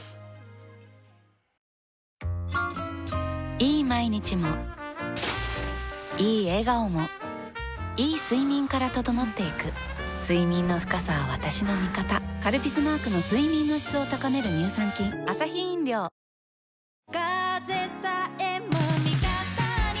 いい毎日もいい笑顔もいい睡眠から整っていく睡眠の深さは私の味方「カルピス」マークの睡眠の質を高める乳酸菌台風情報などお天気です。